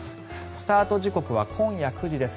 スタート時刻は今夜９時です。